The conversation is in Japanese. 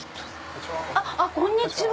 こんにちは。